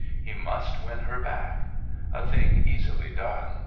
He must win her back! A thing easily done.